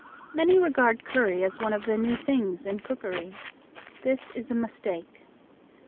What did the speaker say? Many regard curry as one of the new things in cookery. This is a mistake.